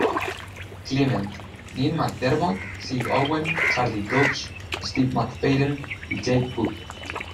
Clement, Neil McDermott, Sid Owen, Charlie Brooks, Steve McFadden y Jake Wood.